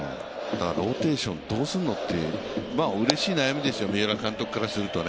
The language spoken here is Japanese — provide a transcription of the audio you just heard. ローテーションどうするのって、うれしい悩みですよ、三浦監督からすると。